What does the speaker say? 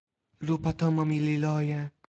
lupa tomo mi li loje.